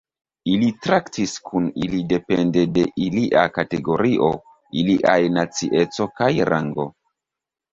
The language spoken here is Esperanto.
Ili traktis kun ili depende de ilia kategorio, iliaj nacieco kaj rango.